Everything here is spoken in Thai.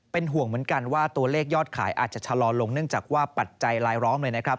เป็นห่วงเหมือนกันว่าตัวเลขยอดขายอาจจะชะลอลงเนื่องจากว่าปัจจัยลายล้อมเลยนะครับ